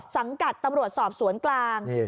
สังกัดตำรวจสอบสวนกลาง